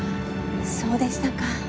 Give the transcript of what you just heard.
そうでしたか。